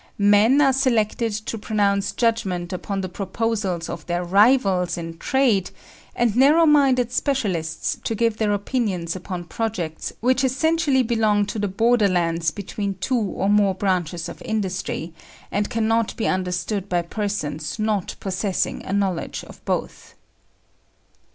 Men are selected to pronounce judgment upon the proposals of their rivals in trade, and narrow minded specialists to give their opinions upon projects which essentially belong to the border lands between two or more branches of industry, and cannot be understood by persons not possessing a knowledge of both.